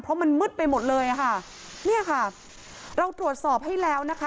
เพราะมันมืดไปหมดเลยอ่ะค่ะเนี่ยค่ะเราตรวจสอบให้แล้วนะคะ